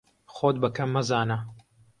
خۆت بە کەم مەزانە.